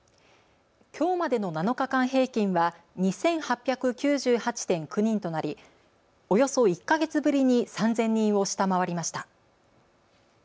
きょうまでの７日間平均は２８９８．９人となりおよそ１か月ぶりに３０００人を下回りました。